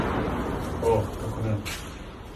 О, како не.